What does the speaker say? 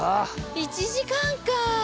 １時間か。